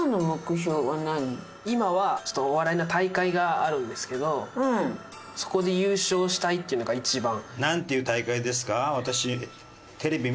今はちょっとお笑いの大会があるんですけどそこで優勝したいっていうのが一番。